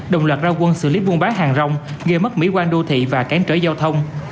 đồng loạt ra quân xử lý buôn bán hàng rong gây mất mỹ quan đô thị và cản trở giao thông